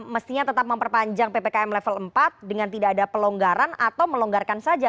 mestinya tetap memperpanjang ppkm level empat dengan tidak ada pelonggaran atau melonggarkan saja